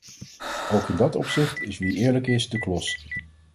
Ook in dat opzicht is wie eerlijk is de klos.